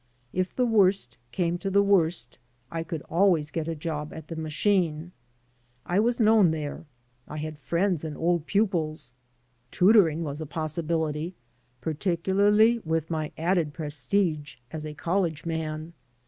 K the worst came to the worst, I could always get a job at the machine. I was known there. I had friends and old pupils. Tutoring was a possibility, particularly with my added prestige as a college man.